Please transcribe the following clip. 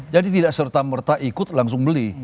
jadi tidak serta merta ikut langsung beli